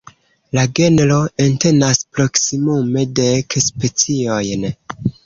La genro entenas proksimume dek speciojn.